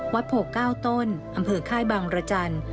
วัดโผก้าต้นอำเภอค่ายบังรจันทร์